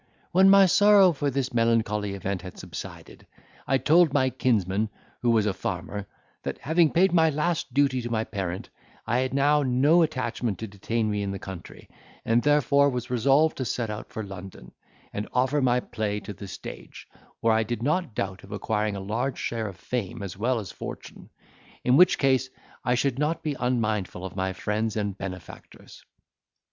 When my sorrow for this melancholy event had subsided, I told my kinsman, who was a farmer, that, having paid my last duty to my parent, I had now no attachment to detain me in the country, and therefore was resolved to set out for London, and offer my play to the stage, where I did not doubt of acquiring a large share of fame as well as fortune; in which case I should not be unmindful of my friends and benefactors.